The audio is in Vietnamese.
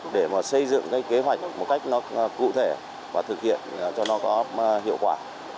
để xây dựng kế hoạch một cách cụ thể và thực hiện cho nó có hiệu quả